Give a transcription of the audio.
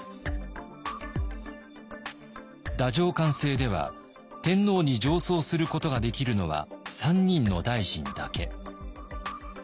太政官制では天皇に上奏することができるのは３人の大臣だけ。